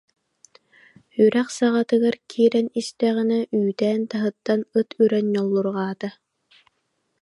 Үрэх саҕатыгар киирэн истэҕинэ үүтээн таһыттан ыт үрэн ньоллурҕаата